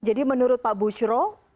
jadi menurut pak bucro